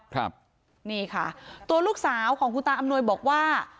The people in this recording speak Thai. ครับนี่ค่ะตัวลูกสาวของคุณตาอำนวยบอกว่า